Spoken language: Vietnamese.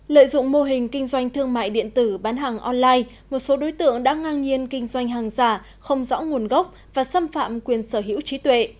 lợi dụng mô hình kinh doanh thương mại điện tử bán hàng online một số đối tượng đã ngang nhiên kinh doanh hàng giả không rõ nguồn gốc và xâm phạm quyền sở hữu trí tuệ